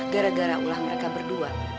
gara gara ulah mereka berdua